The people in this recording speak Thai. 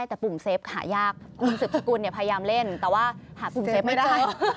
แต่ปุ่มเซฟหายากคุณสืบสกุลพยายามเล่นแต่ว่าหาปุ่มเซฟไม่ได้